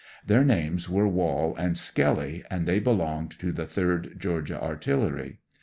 Their names were Wall and Skelley and they belonged to the 3d Georgia artillery.